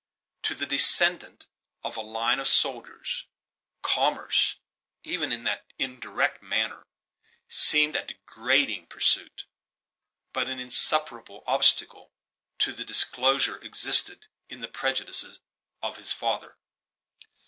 To the descend ant of a line of soldiers, commerce, even in that indirect manner, seemed a degrading pursuit; but an insuperable obstacle to the disclosure existed in the prejudices of his father.